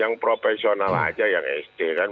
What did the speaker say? yang profesional aja yang sd kan